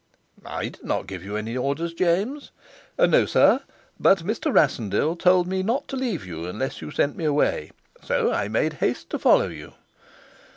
"I did not give you any orders, James." "No, sir. But Mr. Rassendyll told me not to leave you, unless you sent me away. So I made haste to follow you."